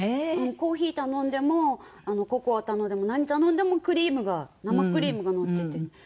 コーヒー頼んでもココア頼んでも何頼んでもクリームが生クリームがのってておいしいんですよ